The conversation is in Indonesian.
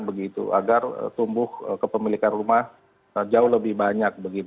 begitu agar tumbuh kepemilikan rumah jauh lebih banyak